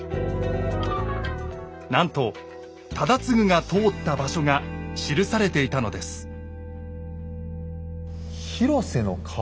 なんと忠次が通った場所が記されていたのです「廣瀬の河」？